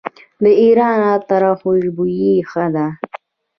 د ایران عطر او خوشبویي ښه ده.